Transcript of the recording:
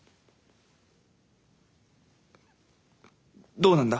どうなんだ？